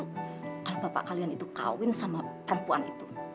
karena bapak kalian itu kawin sama perempuan itu